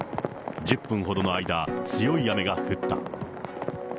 １０分ほどの間、強い雨が降った。